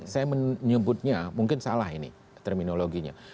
saya menyebutnya mungkin salah ini terminologinya